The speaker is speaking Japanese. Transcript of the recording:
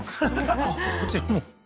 あっこちらも？